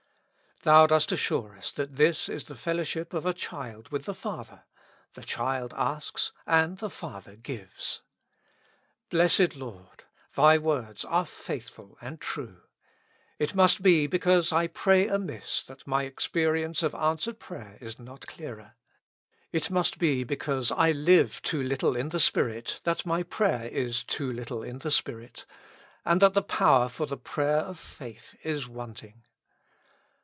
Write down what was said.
Thou dost assure us that this is the fellowship of a child with the Father : the child asks and the Father gives. Blessed Lord ! Thy words are faithful and true. It must be because I pray amiss that my experience of answered prayer is not clearer. It must be because I live too little in the Spirit, that my prayer is too little in the Spirit, and that the power for the prayer of faith is wanting.